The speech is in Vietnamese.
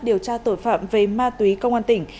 điều tra tội phạm về ma túy công an tỉnh